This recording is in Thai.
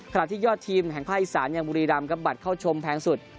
ขณะที่ยอดทีมแห่งภาษาอีสานยังบุรีดำกับบัตรเข้าชมแพงสุด